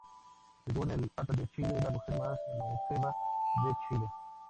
Según el Atlas de Chile, es la mujer más longeva de Chile.